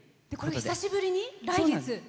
久しぶりに来月？